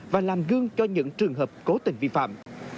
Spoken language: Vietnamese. và làm gương cho những trường hợp cố tình vi phạm